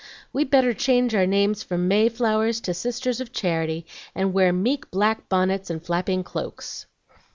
"We'd better change our names from May Flowers to sisters of charity, and wear meek black bonnets and flapping cloaks."